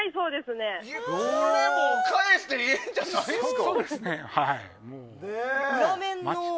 これ、返していいんじゃないですか？